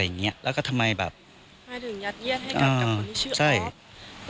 อย่างเงี้ยแล้วก็ทำไมแบบให้ถึงยัดเยียดให้กลับกลับมาที่ชื่อใช่